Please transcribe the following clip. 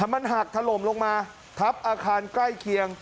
มันหักถล่มลงมาทับอาคารใกล้เคียง